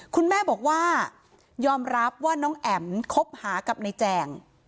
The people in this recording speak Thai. คุณแม่บอกว่ายอมรับว่าน้องแอ๋มคบหากับนายแจง